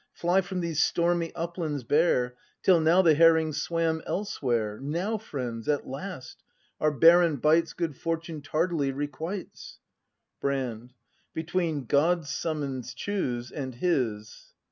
Fly from these stormy uplands bare. Till now the herrings swam elsewhere; Now, friends, at last, our barren bights Good fortune tardily requites. Brand. Between God's summons choose, and his!